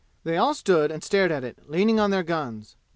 They all stood and stared at it, leaning on their guns.